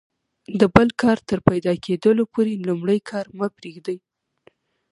د بل کار تر پیدا کیدلو پوري لومړی کار مه پرېږئ!